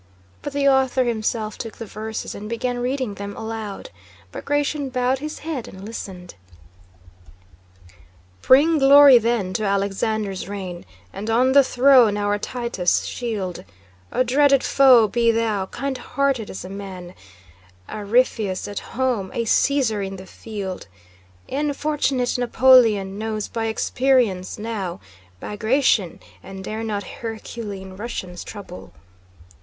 But the author himself took the verses and began reading them aloud. Bagratión bowed his head and listened: Bring glory then to Alexander's reign And on the throne our Titus shield. A dreaded foe be thou, kindhearted as a man, A Rhipheus at home, a Caesar in the field! E'en fortunate Napoleon Knows by experience, now, Bagratión, And dare not Herculean Russians trouble...